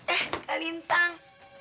eh kak lintang